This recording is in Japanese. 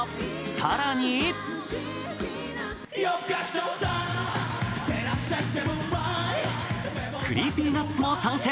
更にＣｒｅｅｐｙＮｕｔｓも参戦。